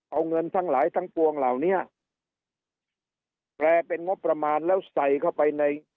เอาเงินทั้งหลายทั้งปวงเหล่านี้แปลเป็นงบประมาณแล้วใส่เข้าไปใน